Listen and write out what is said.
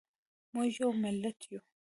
موږ یو ملت یو